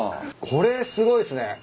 これすごいっすね。